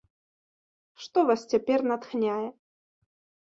Што вас цяпер натхняе?